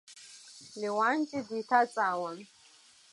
Леуанти деиҭаҵаауан.